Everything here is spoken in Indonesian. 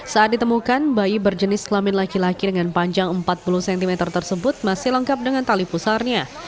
saat ditemukan bayi berjenis kelamin laki laki dengan panjang empat puluh cm tersebut masih lengkap dengan tali pusarnya